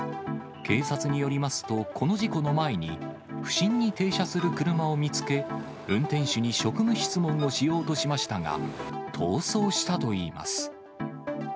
警察によりますと、この事故の前に、不審に停車する車を見つけ、運転手に職務質問をしようとしましたが、逃走したといいます。